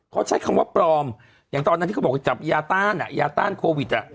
เขาใช้คำว่าปลอมอย่างตอนที่เขาบอกจะเป็นยาต้านโควิด